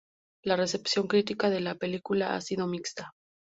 La recepción crítica de la película ha sido mixta.